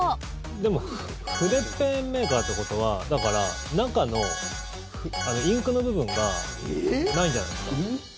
でも筆ペンメーカーってことはだから、中のインクの部分がないんじゃないんですか？